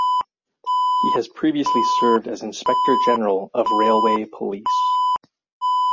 He has previously served as Inspector General of Railway Police.